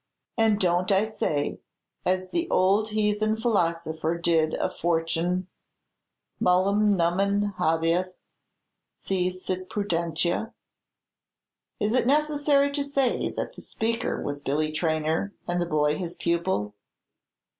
"And don't I say, as the ould heathen philosopher did of fortune, 'Nullum numen habes, si sit prudentia'?" Is it necessary to say that the speaker was Billy Traynor, and the boy his pupil?